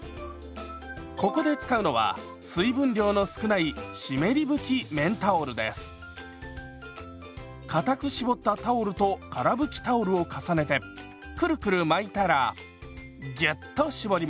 ここで使うのは水分量の少ないかたく絞ったタオルとから拭きタオルを重ねてクルクル巻いたらギュッと絞ります。